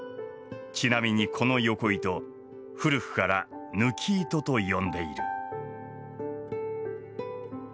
ちなみにこのよこ糸古くから緯糸と呼んでいる。